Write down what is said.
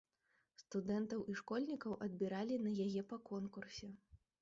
Студэнтаў і школьнікаў адбіралі на яе па конкурсе.